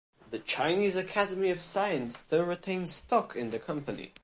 The Chinese Academy of Science still retains stock in the company.